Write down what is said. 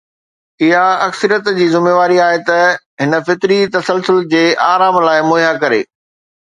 اها اڪثريت جي ذميواري آهي ته هن فطري تسلسل جي آرام لاءِ مهيا ڪري.